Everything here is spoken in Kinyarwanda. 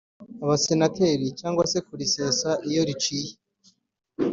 Abasenateri cyangwa se kurisesa iyo riciye